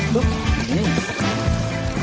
เนอย